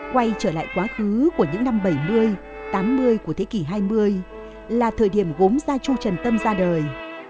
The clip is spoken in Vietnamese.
quay trở lại quá khứ của những năm bảy mươi tám mươi của thế kỷ hai mươi là thời điểm gốm gia chu trần tâm ra đời